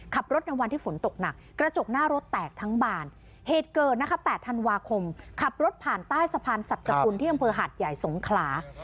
ขับรถในวันที่ฝนตกหนักกระจกหน้ารถแตกทั้งบานเหตุเกิดนะคะ๘ธันวาคมขับรถผ่านใต้สะพานสัจคุณที่อำเภอหาดใหญ่สงขลา